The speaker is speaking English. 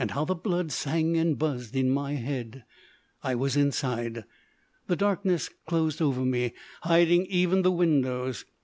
how the blood sang and buzzed in my head! I was inside. The darkness closed over me, hiding even the windows.